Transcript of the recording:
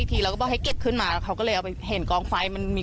อีกทีแล้วให้เก็บขึ้นมาเขาก็เลยเอาไปเห็นกองไฟมันมี